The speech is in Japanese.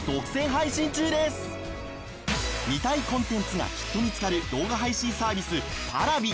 見たいコンテンツがきっと見つかる動画配信サービスＰａｒａｖｉ。